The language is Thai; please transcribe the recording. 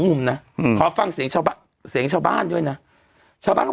มุมนะอืมขอฟังเสียงชาวบ้านเสียงชาวบ้านด้วยนะชาวบ้านก็